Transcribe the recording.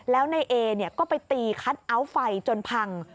แล้วนายเอก็ไปตีคัทเอาท์ไฟจนพัง